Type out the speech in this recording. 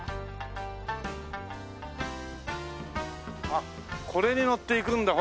あっこれに乗っていくんだ。